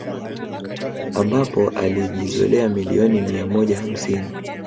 Ambapo alijizolea milioni mia moja hamsini